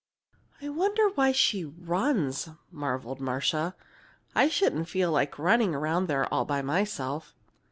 "I wonder why she runs," marveled Marcia. "I shouldn't feel like running around there all by myself."